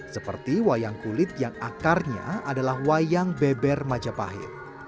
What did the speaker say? seperti wayang kulit yang akarnya adalah wayang beber majapahit